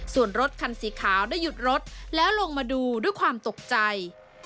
ส่วนรถคันสีขาวได้หยุดรถแล้วลงมาดูด้วยความตกใจ